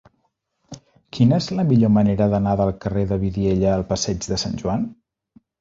Quina és la millor manera d'anar del carrer de Vidiella al passeig de Sant Joan?